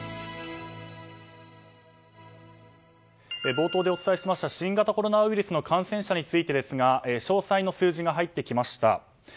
冒頭でお伝えしました新型コロナウイルスの感染者についてですが詳細の数字が入ってきました。